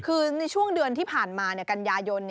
คือในช่วงเดือนที่ผ่านมากันยายน